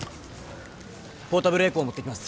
ポータブルエコー持ってきます。